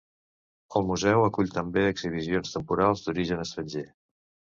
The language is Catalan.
El museu acull també exhibicions temporals d'origen estranger.